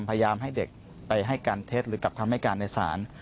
พยายามให้เด็กไปให้การเท็จหรือกลับคำให้การในศาล